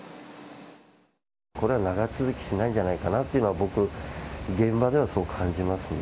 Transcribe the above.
これは長続きしないんじゃないかなというのは、僕、現場ではそう感じますね。